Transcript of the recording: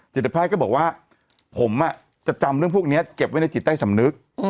จิตแพทย์ก็บอกว่าผมจะจำเรื่องพวกนี้เก็บไว้ในจิตใต้สำนึก